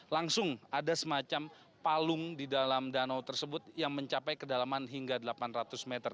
langsung ada semacam palung di dalam danau tersebut yang mencapai kedalaman hingga delapan ratus meter